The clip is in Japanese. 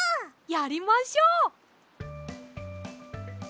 やりましょう！